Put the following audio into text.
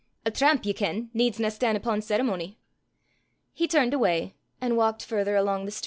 A tramp, ye ken, needsna stan' upo' ceremony." He turned away and walked further along the street.